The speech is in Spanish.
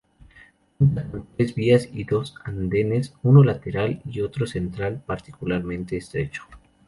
Cuenta con tres vías y dos andenes, uno lateral y otro central particularmente estrecho.